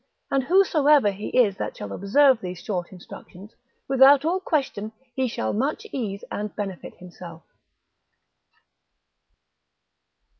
And whosoever he is that shall observe these short instructions, without all question he shall much ease and benefit himself.